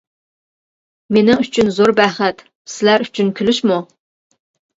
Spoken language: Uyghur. مېنىڭ ئۈچۈن زور بەخت، سىلەر ئۈچۈن كۈلۈشمۇ.